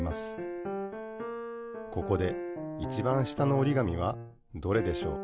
ここでいちばん下のおりがみはどれでしょう？